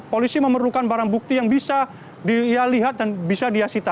polisi memerlukan barang bukti yang bisa dia lihat dan bisa dia sita